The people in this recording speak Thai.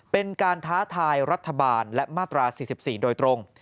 เป็นการท้าทายรัฐบาลและมาตรา๔๔โดยตรง